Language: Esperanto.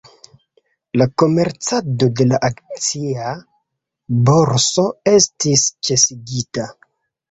La komercado de la akcia borso estis ĉesigita.